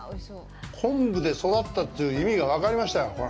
昆布で育ったという意味が分かりましたよ。